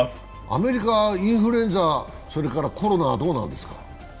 アメリカ、インフルエンザ、それからコロナはどうなんですか？